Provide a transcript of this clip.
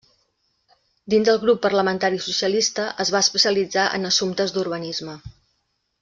Dins el grup parlamentari socialista es va especialitzar en assumptes d'Urbanisme.